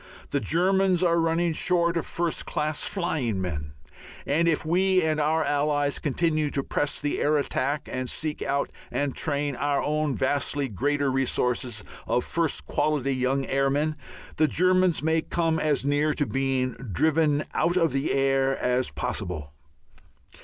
The Germans are running short of first class flying men, and if we and our allies continue to press the air attack, and seek out and train our own vastly greater resources of first quality young airmen, the Germans may come as near to being "driven out of the air" as is possible.